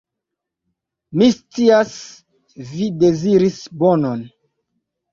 Mi scias, vi deziris bonon.